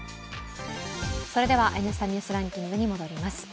それでは「Ｎスタ・ニュースランキング」に戻ります。